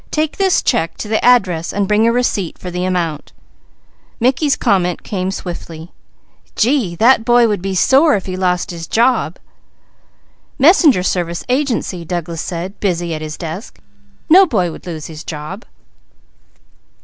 Take this check to the address and bring a receipt for the amount." Mickey's comment came swiftly: "Gee! that boy would be sore, if he lost his job!" "Messenger Service Agency," Douglas said, busy at his desk. "No boy would lose his job."